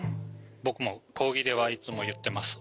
僕も講義ではいつも言ってます。